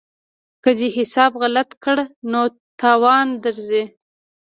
که دې حساب غلط کړ نو تاوان درځي.